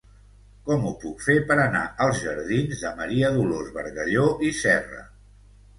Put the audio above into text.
Com ho puc fer per anar als jardins de Maria Dolors Bargalló i Serra?